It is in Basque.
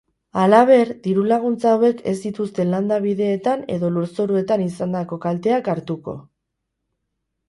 Halaber, diru-laguntza hauek ez dituzte landa bideetan edo lurzoruetan izandako kalteak hartuko.